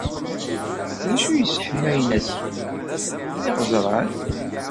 D acu i yesseḥmalen asif, d iɣezran.